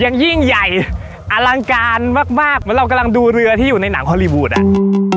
ยิ่งใหญ่อลังการมากมากเหมือนเรากำลังดูเรือที่อยู่ในหนังฮอลลีวูดอ่ะ